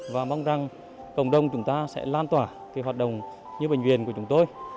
và mong rằng cộng đồng chúng ta sẽ lan tỏa cái hoạt động như bệnh viện của chúng tôi